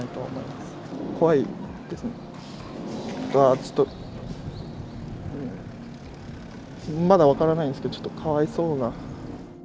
まだちょっと、まだ分からないんですけど、ちょっとかわいそうな。